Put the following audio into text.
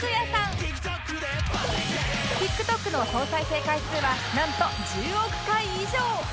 ＴｉｋＴｏｋ の総再生回数はなんと１０億回以上！